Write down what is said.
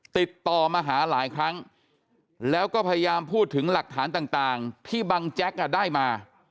ติดต่อมาหาหลายครั้งแล้วก็พยายามพูดถึงหลักฐานต่างที่บังแจ๊กได้มา